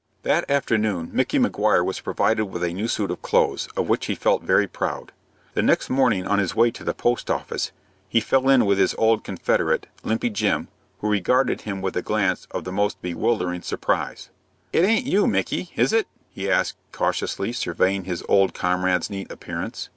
That afternoon Micky Maguire was provided with a new suit of clothes, of which he felt very proud. The next morning, on his way to the post office, he fell in with his old confederate, Limpy Jim, who regarded him with a glance of the most bewildering surprise. "It aint you, Micky, is it?" he asked, cautiously, surveying his old comrade's neat appearance.